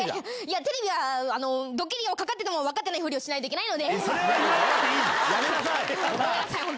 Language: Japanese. テレビでは、ドッキリにかかってても、分かってるふりしないといけないので。